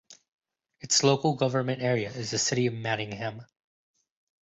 Its local government area is the City of Manningham.